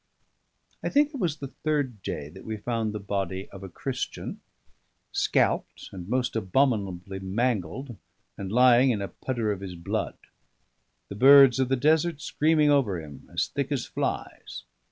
I think it was the third day that we found the body of a Christian, scalped and most abominably mangled, and lying in a pudder of his blood; the birds of the desert screaming over him, as thick as flies.